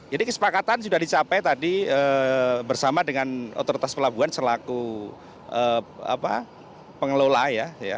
jadi kesepakatan sudah dicapai tadi bersama dengan otoritas pelabuhan selaku pengelola ya